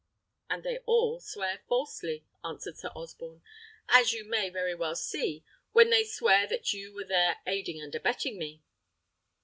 "And they ail swear falsely," answered Sir Osborne, "as you may very well see, when they swear that you were there aiding and abetting me."